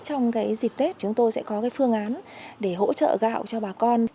trong dịp tết chúng tôi sẽ có cái phương án để hỗ trợ gạo cho bà con